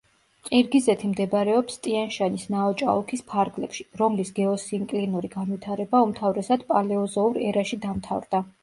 ყირგიზეთი მდებარეობს ტიან-შანის ნაოჭა ოლქის ფარგლებში, რომლის გეოსინკლინური განვითარება უმთავრესად პალეოზოურ ერაში დამთავრდა.